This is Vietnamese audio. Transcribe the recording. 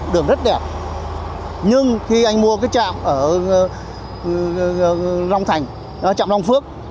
đường rất đẹp nhưng khi anh mua cái trạm ở long thành trạm long phước